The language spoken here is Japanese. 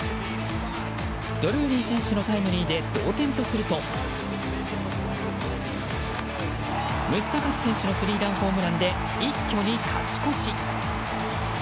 ドルーリー選手のタイムリーで同点とするとムスタカス選手のスリーランホームランで一挙に勝ち越し。